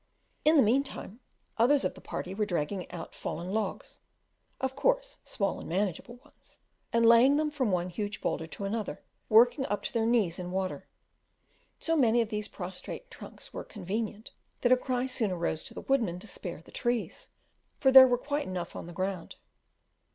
In the mean time, others of the party were dragging out fallen logs of course small and manageable ones and laying them from one huge boulder to another, working up to their knees in water. So many of these prostrate trunks were "convenient," that a cry soon arose to the woodman to "spare the trees," for there were quite enough on the ground.